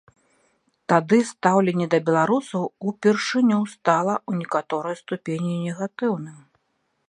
Тады стаўленне да беларусаў упершыню стала ў некаторай ступені негатыўным.